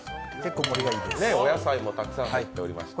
お野菜もたくさん入っておりました。